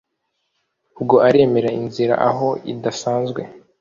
Ubwo aremera inzira aho idasanzwe